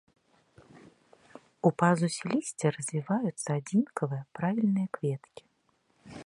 У пазусе лісця развіваюцца адзінкавыя правільныя кветкі.